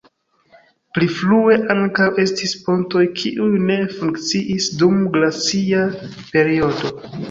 Pli frue ankaŭ estis pontoj, kiuj ne funkciis dum glacia periodo.